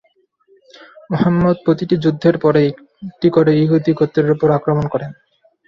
মুহাম্মাদ প্রতিটি যুদ্ধের পরে একটি করে ইহুদি গোত্রের উপর আক্রমণ করেন।